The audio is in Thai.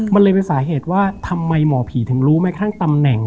มันเลยเป็นสาเหตุว่าทำไมหมอผีถึงรู้ไหมข้างตำแหน่ง